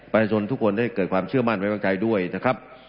ประชาชนทุกคนได้เกิดความเชื่อมั่นไว้วางใจด้วยนะครับ